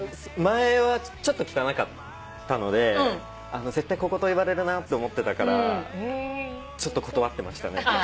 前はちょっと汚かったので絶対小言言われるなって思ってたからちょっと断ってましたね。